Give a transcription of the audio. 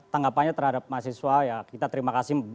tanggapannya terhadap mahasiswa ya kita terima kasih